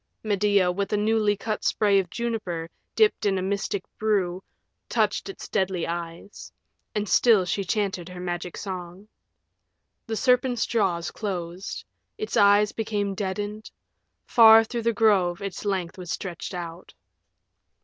Medea, with a newly cut spray of juniper dipped in a mystic brew, touched its deadly eyes. And still she chanted her Magic Song. The serpent's jaws closed; its eyes became deadened; far through the grove its length was stretched out.